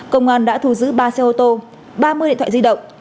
công an đã thu giữ ba xe ô tô ba mươi điện thoại di động